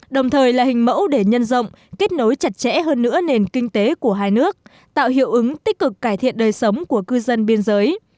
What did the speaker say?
đồng thời là hình mẫu để nhân rộng kết nối chặt chẽ hơn nữa nền kinh tế của hai nước tạo hiệu ứng tích cực cải thiện đời sống của cư dân biên giới